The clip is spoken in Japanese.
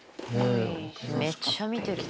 めっちゃ見てる。